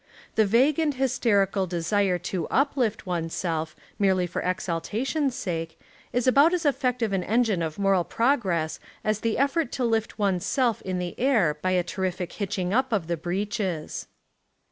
The vague and hysterical desire to "uplift" one's self merely for exaltation's sake is about as effective an engine of moral progress as 52 TJie Devil avx^ the Deep Sea the effort to lift one's self in the air by a ter rific hitching up of the breeches.